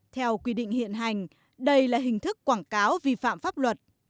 theo quy định hiện hành đây là hình thức quảng cáo vi phạm pháp luật